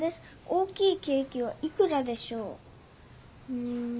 大きいケーキはいくらでしょう」。